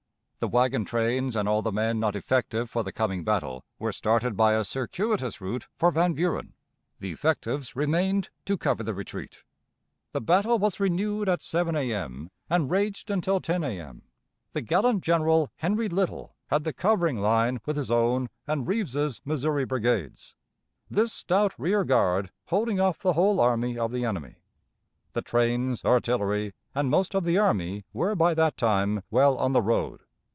The wagon trains and all the men not effective for the coming battle were started by a circuitous route for Van Buren. The effectives remained to cover the retreat. The battle was renewed at 7 A.M., and raged until 10 A.M. The gallant General Henry Little had the covering line with his own and Rives's Missouri brigades; this stout rear guard holding off the whole army of the enemy. The trains, artillery, and most of the army were by that time well on the road.